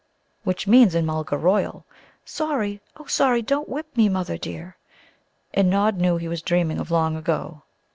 Which means in Mulgar royal: "Sorry, oh sorry, don't whip me, mother dear!" And Nod knew he was dreaming of long ago.